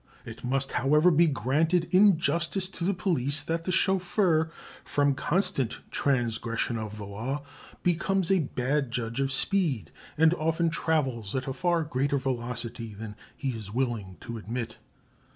It must, however, be granted in justice to the police that the chauffeur, from constant transgression of the law, becomes a bad judge of speed, and often travels at a far greater velocity than he is willing to admit.